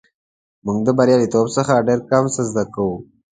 موږ د بریالیتوب څخه ډېر کم څه زده کوو.